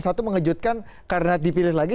satu mengejutkan karena dipilih lagi